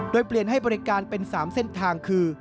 โดยเปลี่ยนให้บริการเป็น๓เส้นทางคือ